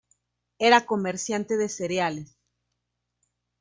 Era comerciante de cereales.